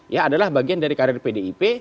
ya adalah bagian dari karir pdip